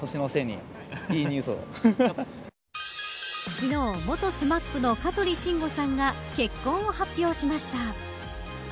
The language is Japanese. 昨日、元ＳＭＡＰの香取慎吾さんが結婚を発表しました。